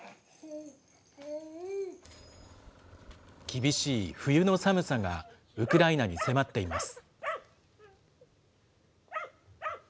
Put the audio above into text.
厳しい冬の寒さが、ウクライナに迫っています。